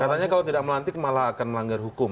katanya kalau tidak melantik malah akan melanggar hukum